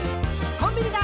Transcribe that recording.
「コンビニだ！